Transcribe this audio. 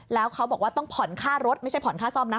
แล้วเขาบอกว่าต้องผ่อนค่ารถไม่ใช่ผ่อนค่าซ่อมนะ